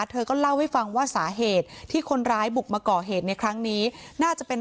เธอก็เล่าให้ฟังว่าสาเหตุที่คนร้ายบุกมาก่อเหตุในครั้งนี้น่าจะเป็น